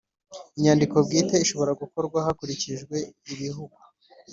inyandiko bwite ishobora gukorwa hakurikijwe ibihugu